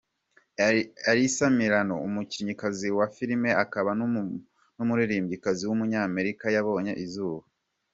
Alyssa Milano, umukinnyikazi wa filime akaba n’umuririmbyikazi w’umunyamerika yabonye izuba.